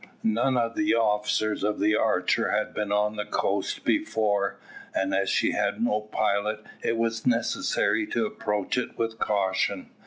None of the officers of the Archer had been on the coast before, and as she had no pilot, it was necessary to approach it with caution.